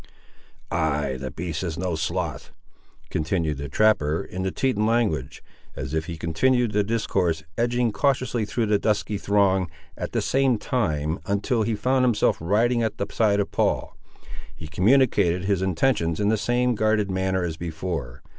"Ay, the beast is no sloth," continued the trapper in the Teton language, as if he continued the discourse, edging cautiously through the dusky throng at the same time, until he found himself riding at the side of Paul. He communicated his intentions in the same guarded manner as before.